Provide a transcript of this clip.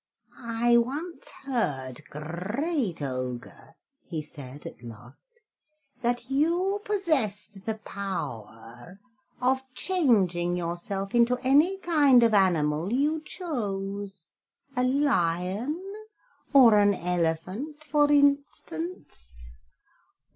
"I once heard, great Ogre," he said at last, "that you possessed the power of changing yourself into any kind of animal you chose a lion or an elephant, for instance."